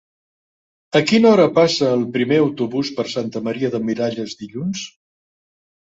A quina hora passa el primer autobús per Santa Maria de Miralles dilluns?